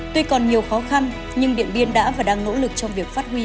tuy còn nhiều khó khăn nhưng điện biên đã và đang nỗ lực trong việc phát huy